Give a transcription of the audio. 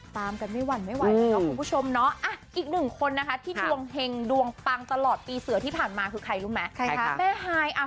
ตามกันไม่หวั่นไม่ไหวครับคุณผู้ชมนะอ่ะอีกหนึ่งคนที่ดวงเห็นดวงตัวปังตลอดปีเสือที่ผ่านมาคือใครรู้มั้ย